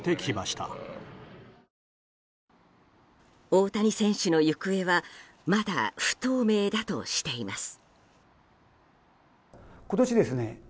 大谷選手の行方はまだ不透明だとしています。